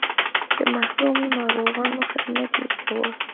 د محرومو ناروغانو خدمت یې کاوه.